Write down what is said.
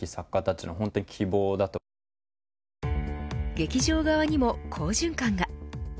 劇場側にも好循環が。